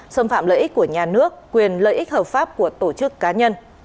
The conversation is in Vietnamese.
xâm phạm lợi ích của nhà nước quyền lợi ích hợp pháp của tổ chức cá nhân